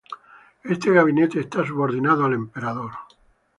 Este gabinete estaba subordinado al Emperador.